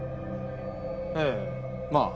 ええまあ。